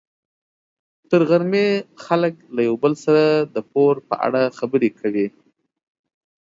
تر غرمې خلک له یو بل سره د پور په اړه خبرې کوي.